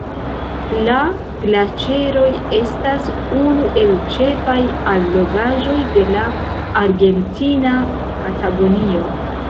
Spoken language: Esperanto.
La glaĉeroj estas unu el ĉefaj allogaĵoj de la Argentina Patagonio.